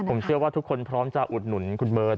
ผมเชื่อว่าทุกคนพร้อมจะอุดหนุนคุณเบิร์ต